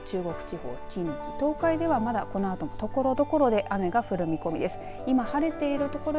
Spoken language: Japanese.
そして四国、中国地方、近畿東海では、まだこのあとところどころで雨が降る見込みです。